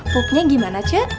pupnya gimana ceh